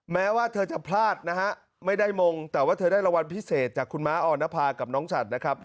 แม้ว่าเธอจะพลาดนะฮะไม่ได้มงแต่ว่าเธอได้รางวัลพิเศษจากคุณม้าออนภากับน้องฉัดนะครับ